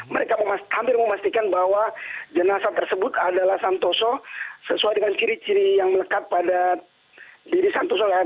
mereka hampir memastikan bahwa jenazah tersebut adalah santoso sesuai dengan ciri ciri yang melekat pada diri santoso ya